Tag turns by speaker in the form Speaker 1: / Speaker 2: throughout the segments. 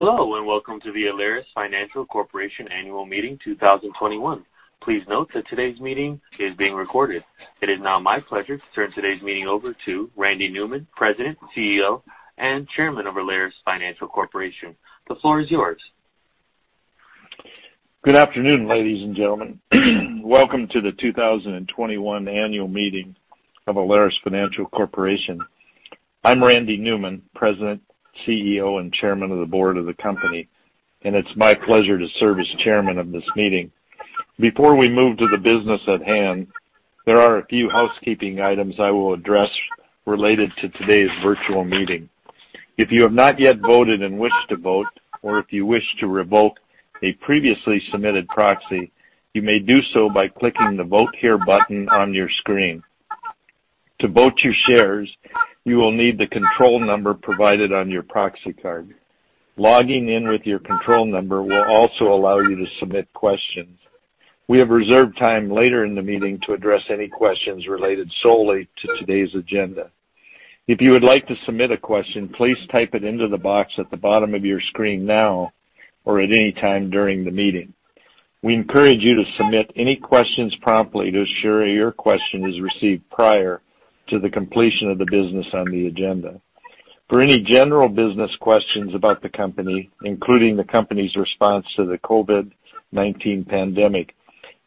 Speaker 1: Hello, and welcome to the Alerus Financial Corporation Annual Meeting 2021. Please note that today's meeting is being recorded. It is now my pleasure to turn today's meeting over to Randy Newman, President, CEO, and Chairman of Alerus Financial Corporation. The floor is yours.
Speaker 2: Good afternoon, ladies and gentlemen. Welcome to the 2021 Annual Meeting of Alerus Financial Corporation. I'm Randy Newman, President, CEO, and Chairman of the Board of the company, and it's my pleasure to serve as chairman of this meeting. Before we move to the business at hand, there are a few housekeeping items I will address related to today's virtual meeting. If you have not yet voted and wish to vote, or if you wish to revoke a previously submitted proxy, you may do so by clicking the Vote Here button on your screen. To vote your shares, you will need the control number provided on your proxy card. Logging in with your control number will also allow you to submit questions. We have reserved time later in the meeting to address any questions related solely to today's agenda. If you would like to submit a question, please type it into the box at the bottom of your screen now or at any time during the meeting. We encourage you to submit any questions promptly to ensure your question is received prior to the completion of the business on the agenda. For any general business questions about the company, including the company's response to the COVID-19 pandemic,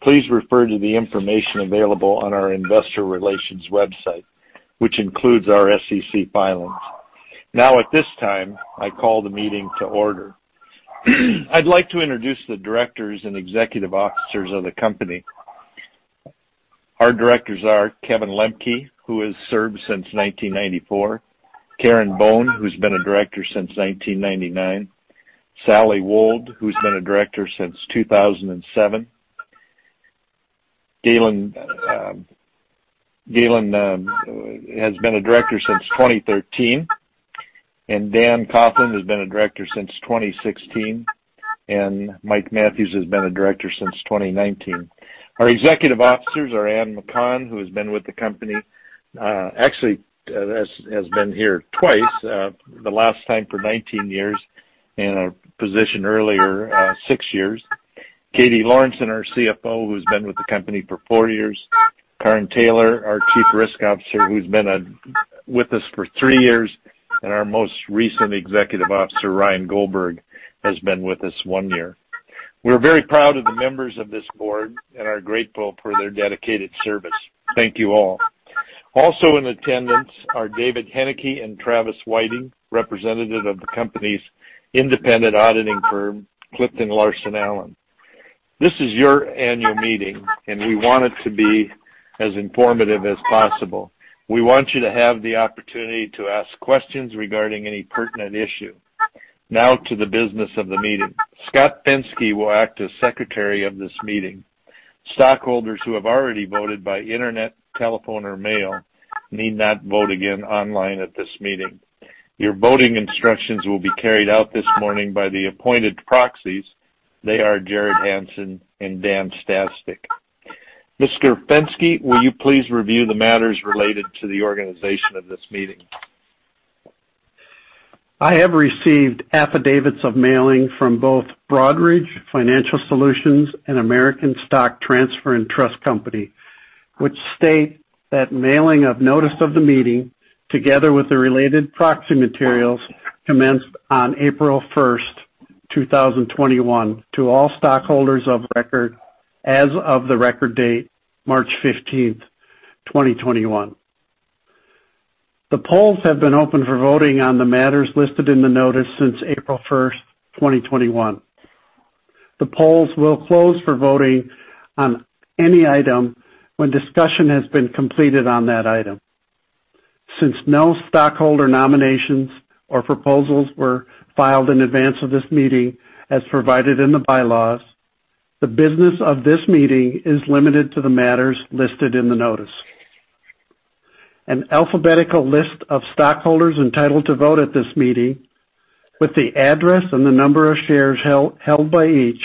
Speaker 2: please refer to the information available on our investor relations website, which includes our SEC filings. At this time, I call the meeting to order. I'd like to introduce the directors and executive officers of the company. Our directors are Kevin Lemke, who has served since 1994, Karen Bohn, who's been a director since 1999, Sally Wold, who's been a director since 2007. Galen has been a director since 2013, and Dan Coughlin has been a director since 2016, and Mike Mathews has been a director since 2019. Our executive officers are Ann McConn, who has been with the company, actually, has been here twice, the last time for 19 years, in a position earlier, six years. Katie Lorenson, our CFO, who's been with the company for four years, Karin Taylor, our Chief Risk Officer, who's been with us for three years, and our most recent executive officer, Ryan Goldberg, has been with us one year. We're very proud of the members of this board and are grateful for their dedicated service. Thank you all. Also in attendance are David Heneke and Travis Whiting, representative of the company's independent auditing firm, CliftonLarsonAllen. This is your annual meeting, and we want it to be as informative as possible. We want you to have the opportunity to ask questions regarding any pertinent issue. Now to the business of the meeting. Scott Fenske will act as secretary of this meeting. Stockholders who have already voted by internet, telephone or mail need not vote again online at this meeting. Your voting instructions will be carried out this morning by the appointed proxies. They are Jerrod Hanson and Dan Stastny. Mr. Fenske, will you please review the matters related to the organization of this meeting?
Speaker 3: I have received affidavits of mailing from both Broadridge Financial Solutions and American Stock Transfer & Trust Company, which state that mailing of notice of the meeting, together with the related proxy materials, commenced on April 1st, 2021, to all stockholders of record as of the record date March 15th, 2021. The polls have been open for voting on the matters listed in the notice since April 1st, 2021. The polls will close for voting on any item when discussion has been completed on that item. Since no stockholder nominations or proposals were filed in advance of this meeting as provided in the bylaws, the business of this meeting is limited to the matters listed in the notice. An alphabetical list of stockholders entitled to vote at this meeting with the address and the number of shares held by each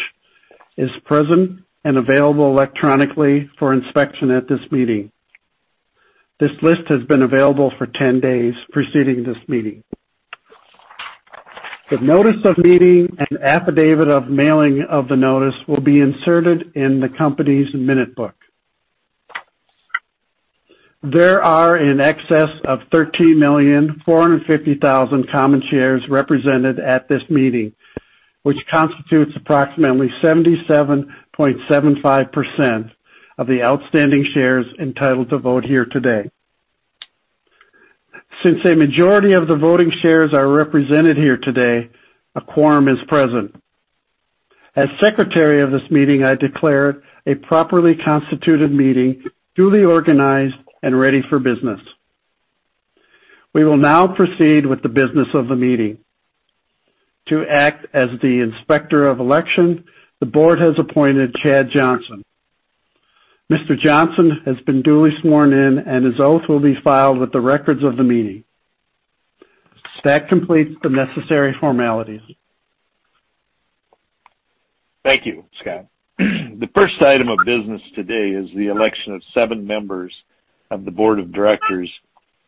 Speaker 3: is present and available electronically for inspection at this meeting. This list has been available for 10 days preceding this meeting. The notice of meeting and affidavit of mailing of the notice will be inserted in the company's minute book. There are in excess of 13,450,000 common shares represented at this meeting, which constitutes approximately 77.75% of the outstanding shares entitled to vote here today. Since a majority of the voting shares are represented here today, a quorum is present. As secretary of this meeting, I declare a properly constituted meeting, duly organized and ready for business. We will now proceed with the business of the meeting. To act as the Inspector of Election, the board has appointed Chad Johnson. Mr. Johnson has been duly sworn in, and his oath will be filed with the records of the meeting. That completes the necessary formalities
Speaker 2: Thank you, Scott. The first item of business today is the election of seven members of the board of directors,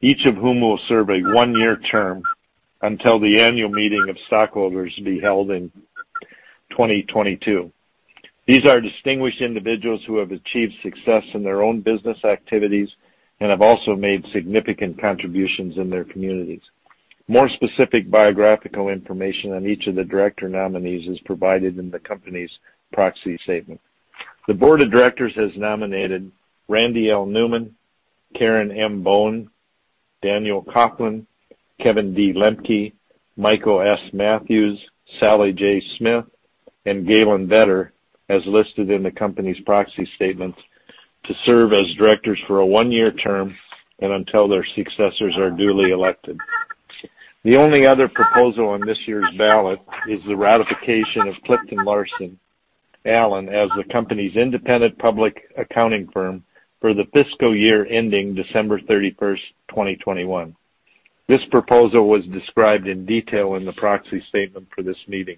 Speaker 2: each of whom will serve a one-year term until the annual meeting of stockholders to be held in 2022. These are distinguished individuals who have achieved success in their own business activities and have also made significant contributions in their communities. More specific biographical information on each of the director nominees is provided in the company's proxy statement. The board of directors has nominated Randy L. Newman, Karen M. Bohn, Daniel Coughlin, Kevin D. Lemke, Michael S. Mathews, Sally J. Smith, and Galen Vetter, as listed in the company's proxy statement, to serve as directors for a one-year term and until their successors are duly elected. The only other proposal on this year's ballot is the ratification of CliftonLarsonAllen as the company's independent public accounting firm for the fiscal year ending December 31st, 2021. This proposal was described in detail in the proxy statement for this meeting.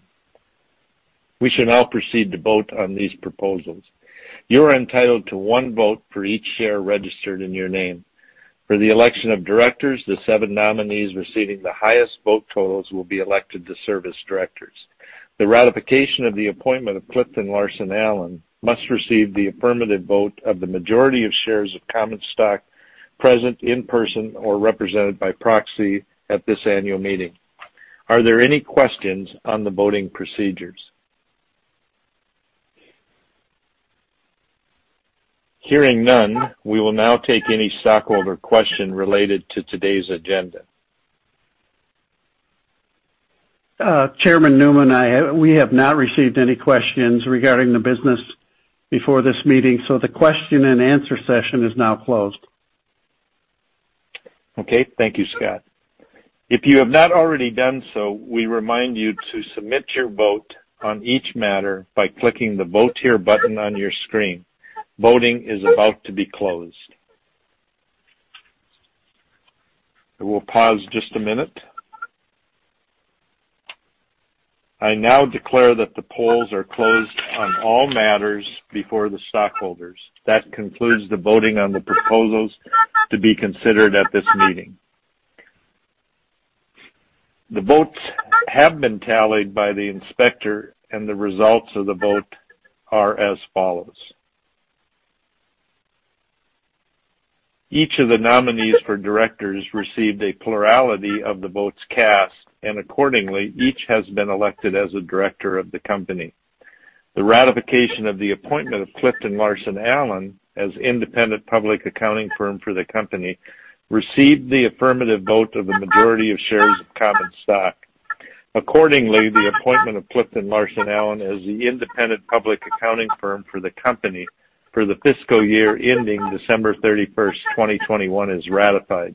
Speaker 2: We should now proceed to vote on these proposals. You are entitled to one vote for each share registered in your name. For the election of directors, the seven nominees receiving the highest vote totals will be elected to serve as directors. The ratification of the appointment of CliftonLarsonAllen must receive the affirmative vote of the majority of shares of common stock present in person or represented by proxy at this annual meeting. Are there any questions on the voting procedures? Hearing none, we will now take any stockholder question related to today's agenda.
Speaker 3: Chairman Newman, we have not received any questions regarding the business before this meeting. The question and answer session is now closed.
Speaker 2: Okay. Thank you, Scott. If you have not already done so, we remind you to submit your vote on each matter by clicking the Vote Here button on your screen. Voting is about to be closed. I will pause just a minute. I now declare that the polls are closed on all matters before the stockholders. That concludes the voting on the proposals to be considered at this meeting. The votes have been tallied by the inspector, and the results of the vote are as follows. Each of the nominees for directors received a plurality of the votes cast, and accordingly, each has been elected as a director of the company. The ratification of the appointment of CliftonLarsonAllen as independent public accounting firm for the company received the affirmative vote of a majority of shares of common stock. Accordingly, the appointment of CliftonLarsonAllen as the independent public accounting firm for the company for the fiscal year ending December 31st, 2021 is ratified.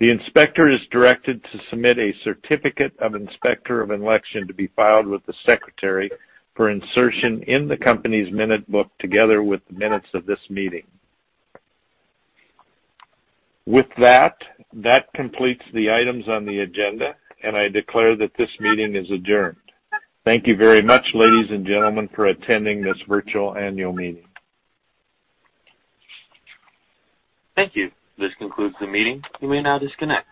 Speaker 2: The inspector is directed to submit a certificate of inspector of election to be filed with the secretary for insertion in the company's minute book together with the minutes of this meeting. With that completes the items on the agenda, and I declare that this meeting is adjourned. Thank you very much, ladies and gentlemen, for attending this virtual annual meeting.
Speaker 1: Thank you. This concludes the meeting. You may now disconnect.